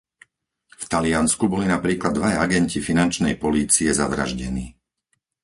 V Taliansku boli napríklad dvaja agenti finančnej polície zavraždení.